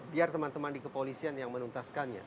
biar teman teman di kepolisian yang menuntaskannya